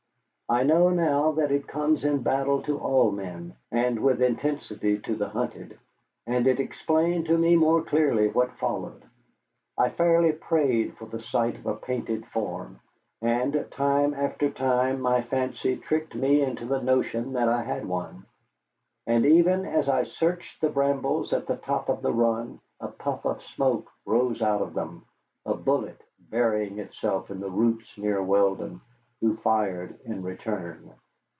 I know now that it comes in battle to all men, and with intensity to the hunted, and it explained to me more clearly what followed. I fairly prayed for the sight of a painted form, and time after time my fancy tricked me into the notion that I had one. And even as I searched the brambles at the top of the run a puff of smoke rose out of them, a bullet burying itself in the roots near Weldon, who fired in return.